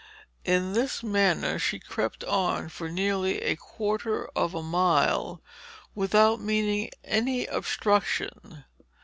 In this manner she crept on for nearly a quarter of a mile without meeting any obstruction.